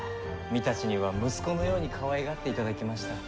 御館には息子のようにかわいがっていただきました。